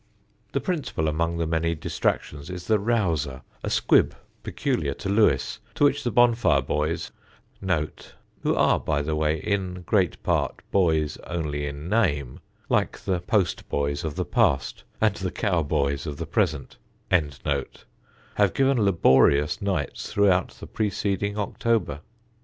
The principal among the many distractions is the "rouser," a squib peculiar to Lewes, to which the bonfire boys (who are, by the way, in great part boys only in name, like the postboys of the past and the cowboys of the present) have given laborious nights throughout the preceding October.